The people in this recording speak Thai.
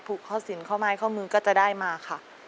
ข้อสินข้อไม้ข้อมือก็จะได้มาค่ะ